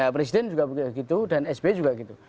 presiden juga begitu dan sby juga gitu